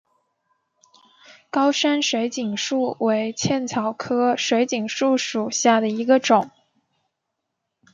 高山水锦树为茜草科水锦树属下的一个种。